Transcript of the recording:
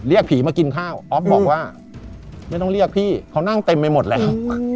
เรียกผีมากินข้าวอ๊อฟบอกว่าไม่ต้องเรียกพี่เขานั่งเต็มไปหมดแล้ว